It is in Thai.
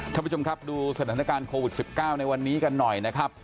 ท่านผู้ชมครับดูสถานการณ์โควิด๑๙ในวันนี้กันหน่อยนะครับ